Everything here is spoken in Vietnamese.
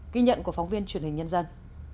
ghi nhận của phóng viên truyền hình nhân dân